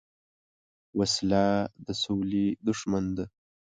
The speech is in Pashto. وسله د سولې دښمن ده